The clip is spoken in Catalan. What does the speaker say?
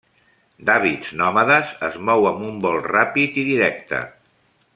D'hàbits nòmades, es mou amb un vol ràpid i directe.